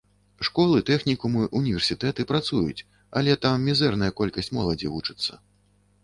Школы, тэхнікумы, універсітэты працуюць, але там мізэрная колькасць моладзі вучыцца.